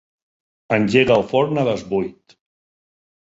Engega el forn a les vuit.